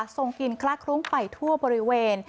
กินคละคลุ้งไปทั่วบริเวณ